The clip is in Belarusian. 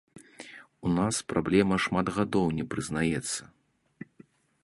У нас праблема шмат гадоў не прызнаецца.